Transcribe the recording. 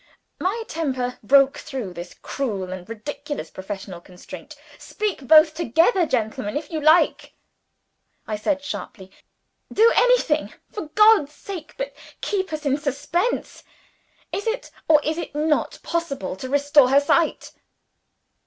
My impatience broke through this cruel and ridiculous professional restraint. "Speak both together, gentlemen, if you like!" I said sharply. "Do anything, for God's sake, but keep us in suspense. Is it, or is it not, possible to restore her sight?"